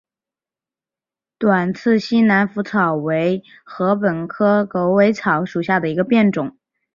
短刺西南莩草为禾本科狗尾草属下的一个变种。